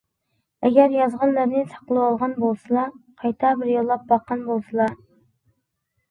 ئەگەر يازغانلىرىنى ساقلىۋالغان بولسىلا، قايتا بىر يوللاپ باققان بولسىلا!